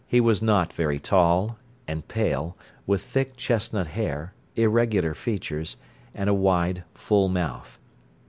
He was not very tall, and pale, with thick chestnut hair, irregular features, and a wide, full mouth.